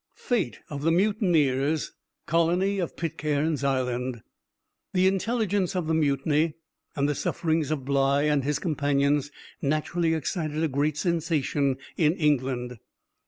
FATE OF THE MUTINEERS—COLONY OF PITCAIRN'S ISLAND. The intelligence of the mutiny, and the sufferings of Bligh and his companions, naturally excited a great sensation in England.